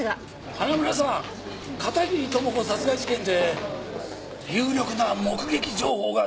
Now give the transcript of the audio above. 花村さん片桐朋子殺害事件で有力な目撃情報が出ました。